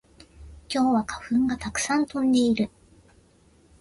今日は花粉がたくさん飛んでいる